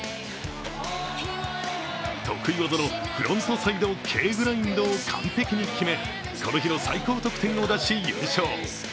得意技のフロントサイドＫグラインドを完璧に決めこの日の最高得点を出し、優勝。